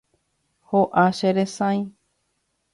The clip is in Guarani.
ho'a che resay